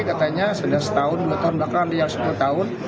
katanya sudah setahun dua tahun bahkan ada yang satu tahun